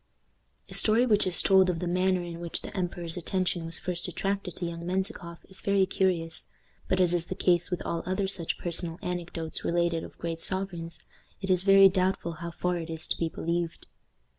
The story which is told of the manner in which the emperor's attention was first attracted to young Menzikoff is very curious, but, as is the case with all other such personal anecdotes related of great sovereigns, it is very doubtful how far it is to be believed.